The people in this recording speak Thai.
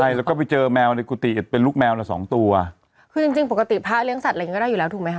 ใช่แล้วก็ไปเจอแมวในกุฏิเป็นลูกแมวน่ะสองตัวคือจริงจริงปกติพระเลี้ยงสัตว์อะไรอย่างงี้ก็ได้อยู่แล้วถูกไหมฮะ